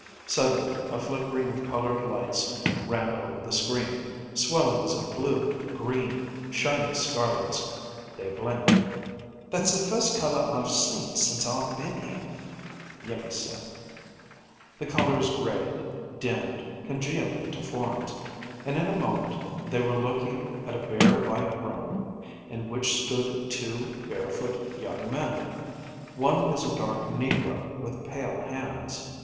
Suddenly a flickering of colored lights ran over the screen, swellings of blue, green, shiny scarlets. They blinked. "That's the first color I've seen since I've been here," Iimmi said. The colors grayed, dimmed, congealed into forms, and in a moment they were looking at a bare white room in which stood two barefoot young men. One was a dark Negro with pale hands.